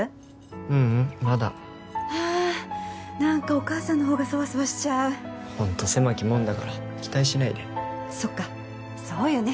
ううんまだはあ何かお母さんの方がソワソワしちゃうホント狭き門だから期待しないでそっかそうよね